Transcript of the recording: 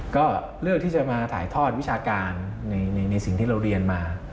ก็เลือกที่จะมาถ่ายทอดวิชาการในสิ่งที่เราเรียนมา